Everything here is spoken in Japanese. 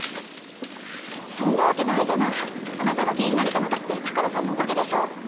そんなわけないじゃないあなたが議員になれたのだって鷹野さんのおかげでしょ？